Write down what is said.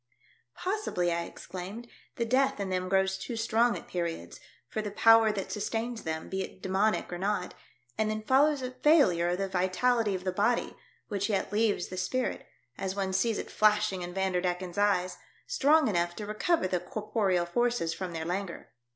" Possibly," I exclaimed, " the death in them grows too strong at periods, for the power that sustains them, be it demoniac or not, and then follows a failure of the vitality of the body, which yet leaves the spirit — as one sees it flashing in Vander decken's eyes — strong enough to recover the corporeal forces from their languor.